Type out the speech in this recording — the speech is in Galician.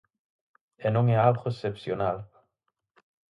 E non é algo excepcional.